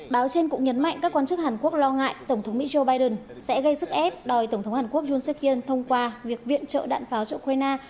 báo trên cũng nhấn mạnh các quan chức hàn quốc lo ngại tổng thống mỹ joe biden sẽ gây sức ép đòi tổng thống hàn quốc yoon seok in thông qua việc viện trợ đạn pháo cho ukraine